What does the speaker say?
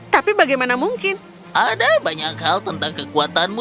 tadi kebetulan maka saya telah membahas penyebab keberadaanmu